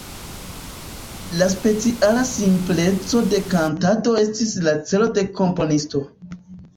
La speciala simpleco de kantado estis la celo de komponisto.